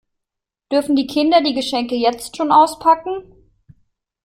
Dürfen die Kinder die Geschenke jetzt schon auspacken?